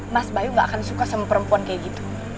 mas bayu gak akan suka sama perempuan kayak gitu